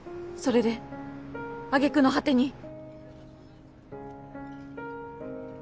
それで揚げ句の果てに。